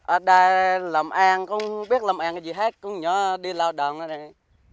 ở đây làm ăn cũng không biết làm ăn cái gì hết cũng nhớ đi lao động nữa này